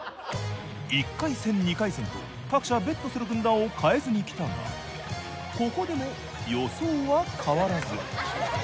１回戦２回戦と各者ベットする軍団を変えずにきたがここでも予想は変わらず。